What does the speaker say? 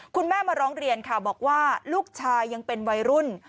คุณแม่มาร้องเรียนค่ะบอกว่าลูกชายยังเป็นวัยรุ่น